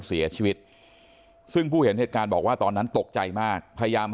เสียชีวิตซึ่งผู้เห็นเหตุการณ์บอกว่าตอนนั้นตกใจมากพยายาม